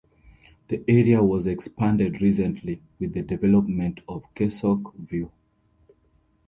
The area was expanded recently with the development of Kessock View.